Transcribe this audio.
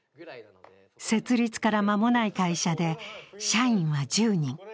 設立から間もない会社で社員は１０人。